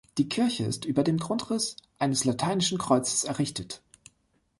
Die Kirche ist über dem Grundriss eines lateinischen Kreuzes errichtet.